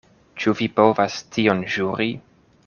Ĉu vi povas tion ĵuri?